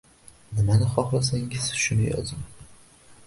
Nimani xoxlasangiz shuni yozing